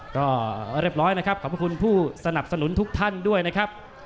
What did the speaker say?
ก็เรียบร้อยนะครับขอบคุณผู้สนับสนุนทุกท่านด้วยนะครับ